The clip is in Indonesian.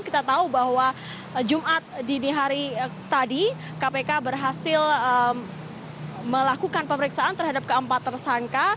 kita tahu bahwa jumat dini hari tadi kpk berhasil melakukan pemeriksaan terhadap keempat tersangka